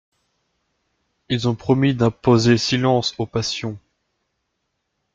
Ils ont promis d'imposer silence aux passions.